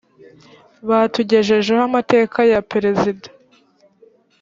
batugejejeho amateka ya perezida